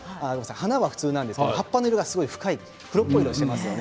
花は普通なんですけど葉っぱの色が深い黒っぽい色をしていますね。